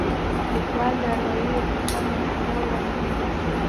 لیکوال د اروايي ارتقا مفکوره وړاندې کوي.